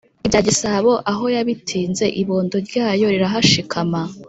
Ibya gisabo aho yabitinze, Ibondo ryayo rirahashikama.